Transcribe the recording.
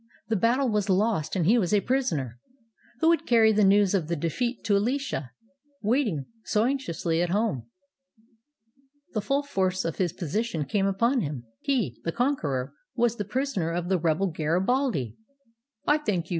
The battle was lost and he was a prisoner. Who would carry the news of the defeat to Alicia, waiting so anxiously at home? The full force of his position came upon him. He — the conqueror — was the prisoner of the rebel Garibaldi ! ''I thank you.